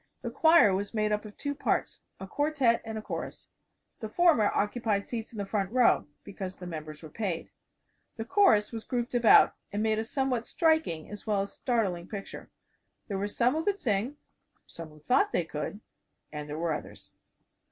The choir was made up of two parts, a quartette and a chorus. The former occupied seats in the front row because the members were paid. The chorus was grouped about, and made a somewhat striking as well as startling picture. There were some who could sing; some who thought they could; and there were others.